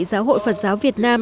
giáo hội phật giáo việt nam